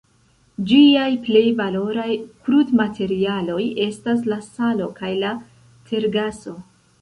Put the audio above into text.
Ĝiaj plej valoraj krudmaterialoj estas la salo kaj la tergaso.